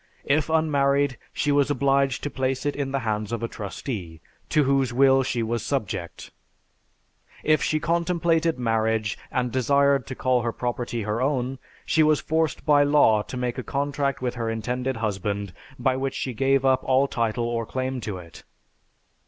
If unmarried, she was obliged to place it in the hands of a trustee, to whose will she was subject. If she contemplated marriage, and desired to call her property her own, she was forced by law to make a contract with her intended husband by which she gave up all title or claim to it.